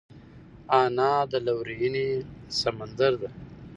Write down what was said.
انا د لورینې سمندر ده